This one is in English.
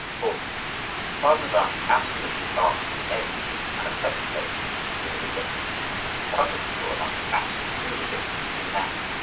(17) 40. Wagner's art is absolutely the art of the age: an æsthetic age would have rejected it. The more subtle people amongst us actually do reject it even now.